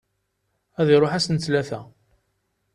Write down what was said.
Ad iṛuḥ ass n tlata.